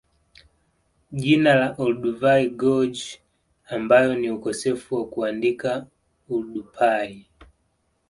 Jina la Olduvai Gorge ambayo ni ukosefu wa kuandika Oldupai